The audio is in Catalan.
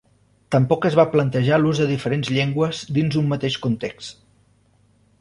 Tampoc es va plantejar l'ús de diferents llengües dins d'un mateix context.